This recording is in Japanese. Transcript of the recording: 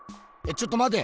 ちょっとまて。